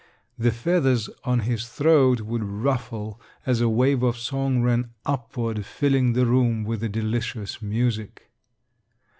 The feathers on his throat would ruffle as a wave of song ran upward filling the room with a delicious music.